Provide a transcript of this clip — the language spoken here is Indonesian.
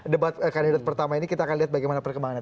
debat kandidat pertama ini kita akan lihat bagaimana perkembangannya